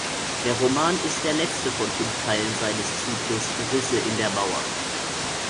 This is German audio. Der Roman ist der letzte von fünf Teilen seines Zyklus "Risse in der Mauer".